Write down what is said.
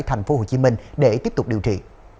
thành phố hồ chí minh để tiếp tục điều trị